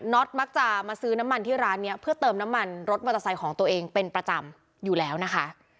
็อตมักจะมาซื้อน้ำมันที่ร้านนี้เพื่อเติมน้ำมันรถมอเตอร์ไซค์ของตัวเองเป็นประจำอยู่แล้วนะคะ